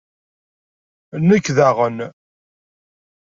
Nekk daɣen!